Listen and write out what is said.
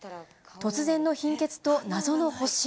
突然の貧血と謎の発疹。